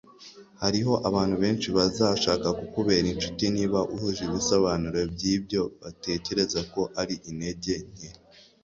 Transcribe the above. hariho abantu benshi bazashaka kukubera inshuti niba uhuje ibisobanuro byibyo batekereza ko ari intege nke